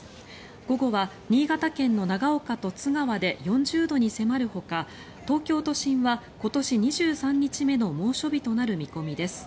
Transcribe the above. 午後は新潟県の長岡と津川で４０度に迫るほか東京都心は今年２３日目の猛暑日となる見込みです。